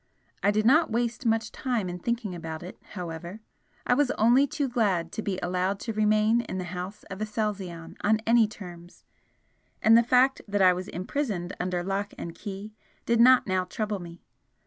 I did not waste much time in thinking about it, however, I was only too glad to be allowed to remain in the House of Aselzion on any terras, and the fact that I was imprisoned under lock and key did not now trouble me.